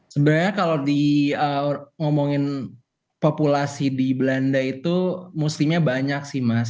sebenarnya kalau diomongin populasi di belanda itu mestinya banyak sih mas